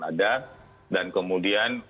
ada dan kemudian